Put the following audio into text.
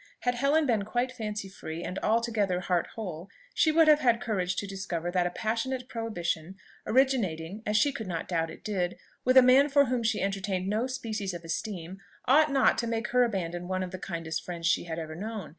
Had Helen been quite fancy free and altogether heart whole, she would have had courage to discover that a passionate prohibition, originating, as she could not doubt it did, with a man for whom she entertained no species of esteem, ought not to make her abandon one of the kindest friends she had ever known.